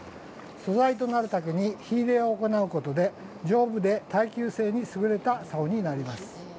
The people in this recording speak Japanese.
素材となる竹に火入れを行うことで、丈夫で、耐久性にすぐれた竿になります。